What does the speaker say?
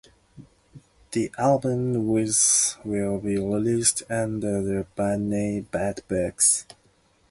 The album with will be released under the band name "Bad Books".